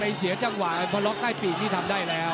เสียจังหวะพอล็อกใต้ปีกนี่ทำได้แล้ว